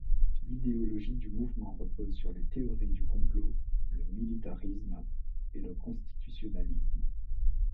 L'idéologie du mouvement repose sur les théories du complot, le militarisme et le constitutionnalisme.